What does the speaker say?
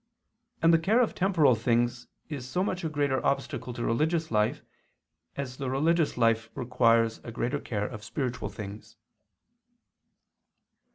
And the care of temporal things is so much a greater obstacle to religious life as the religious life requires a greater care of spiritual things.